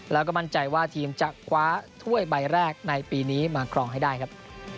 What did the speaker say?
แล้วก็มั่นใจว่าทีมจะคว้าถ้วยใบแรกในปีนี้มาครองให้ได้ครับ